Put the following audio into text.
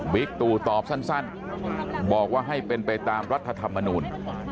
ตู่ตอบสั้นบอกว่าให้เป็นไปตามรัฐธรรมนูล